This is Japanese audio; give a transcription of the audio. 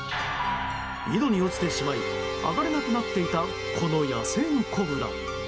井戸に落ちてしまい上がれなくなっていたこの野生のコブラ。